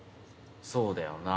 そうだよな。